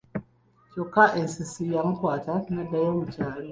Kyokka ensisi yamukwata n'addayo mu kyalo!